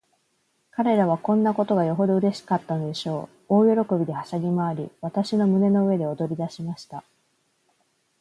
彼等はこんなことがよほどうれしかったのでしょう。大喜びで、はしゃぎまわり、私の胸の上で踊りだしました。